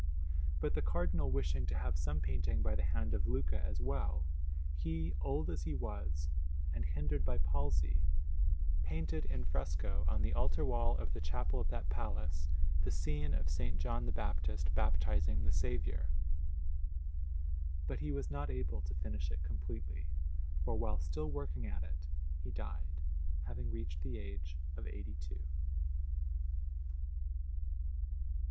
But the Cardinal wishing to have some painting by the hand of Luca as well, he, old as he was, and hindered by palsy, painted in fresco, on the altar wall of the chapel of that palace, the scene of S. John the Baptist baptizing the Saviour; but he was not able to finish it completely, for while still working at it he died, having reached the age of eighty two.